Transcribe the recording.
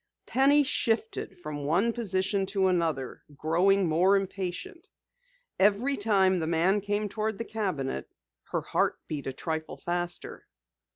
Penny shifted from one position to another, growing more impatient. Every time the man came toward the cabinet her heart beat a trifle faster.